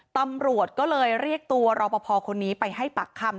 ตำรวจก็เลยเรียกตัวรอปภคนนี้ไปให้ปากคำ